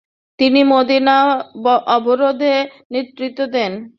তিনি মদিনা অবরোধে নেতৃত্ব দেন।